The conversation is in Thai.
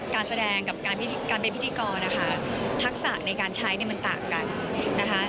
การแสดงกับการเป็นพิธีกรนะคะทักษะในการใช้เนี่ยมันต่างกันนะคะ